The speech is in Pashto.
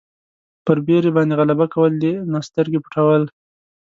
پر بېرې باندې غلبه کول دي نه سترګې پټول.